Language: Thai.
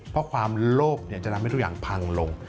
เพราะความโลภจะทำให้ทุกอย่างพังลง